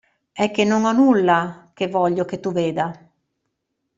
È che non ho nulla che voglio che tu veda.